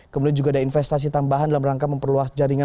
kemudian juga ada investasi tambahan dalam rangka memperluas jaringan